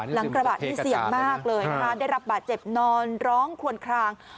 หลังกระบะนี่เสี่ยงมากเลยนะคะได้รับบาดเจ็บนอนร้องควนคลาง